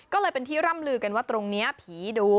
ก็เลยเป็นที่ร่ำลือกันว่าตรงนี้ผีดู